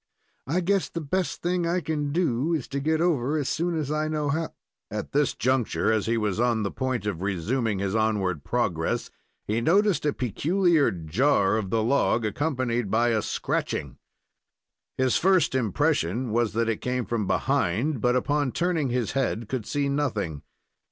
I guess the best thing I can do is to get over as soon as I know how " At this juncture, as he was on the point of resuming his onward progress, he noticed a peculiar jar of the log, accompanied by a scratching. Mis first impression was that it came from behind, but, upon turning his head, could see nothing.